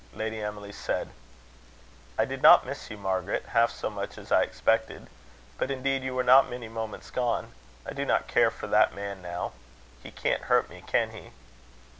Lady Emily said: "I did not miss you, Margaret, half so much as I expected. But, indeed, you were not many moments gone. I do not care for that man now. He can't hurt me, can he?"